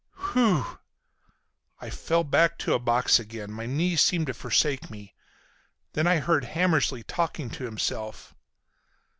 Whew! I fell back to a box again. My knees seemed to forsake me. Then I heard Hammersly talking to himself.